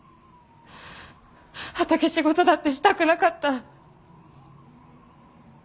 畑仕事だってしたくなかった。